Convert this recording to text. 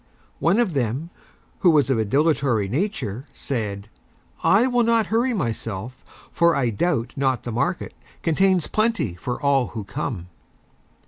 One of Them, who was of a Dilatory Nature, said: "I will not Hurry Myself, for I Doubt Not the Market contains Plenty for all who come."